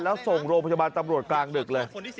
แล้วส่งโรบพยาบาลกลางดึกเลย